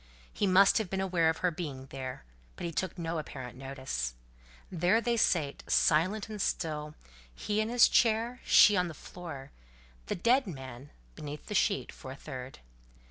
He must have been aware of her being there, but he took no apparent notice. There they sate, silent and still, he in his chair, she on the floor; the dead man, beneath the sheet, for a third.